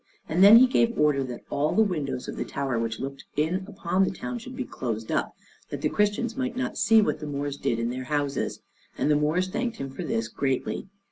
And then he gave order that all the windows of the towers which looked in upon the town should be closed up, that the Christians might not see what the Moors did in their houses; and the Moors thanked him for this greatly.